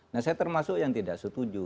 nah saya termasuk yang tidak setuju